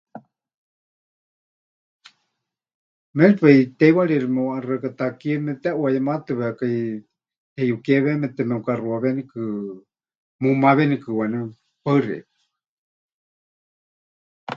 Méripai teiwarixi meʼuʼaxɨaka takie mepɨteʼuayematɨwekai, teyukeewemete memɨkaxuawénikɨ, mumawenikɨ waníu. Paɨ xeikɨ́a.